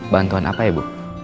bantuan apa ibu